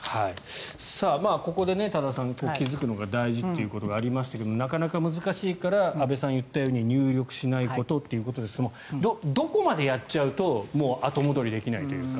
ここで多田さん気付くのが大事ということがありましたがなかなか難しいから安部さんが言ったように入力しないことということですがどこまでやっちゃうともう後戻りできないというか。